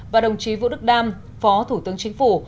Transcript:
và đồng chí vũ đức đam phó thủ tướng chính phủ